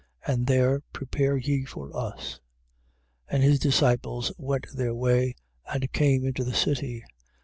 And there prepare ye for us. 14:16. And his disciples went their way and came into the city.